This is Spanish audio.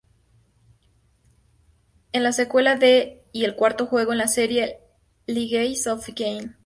Es la secuela de y el cuarto juego en la serie Legacy of Kain.